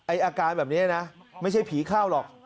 อาการแบบนี้นะไม่ใช่ผีเข้าหรอก